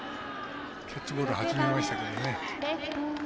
キャッチボール始めましたけどね。